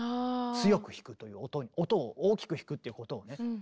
強く弾くという音を大きく弾くっていうことをね。